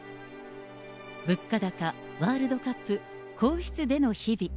物価高、ワールドカップ、皇室での日々。